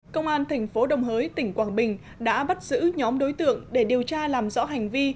công an thành phố đồng hới tỉnh quảng bình đã bắt giữ nhóm đối tượng để điều tra làm rõ hành vi